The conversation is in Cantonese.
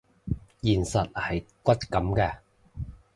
現實係骨感嘅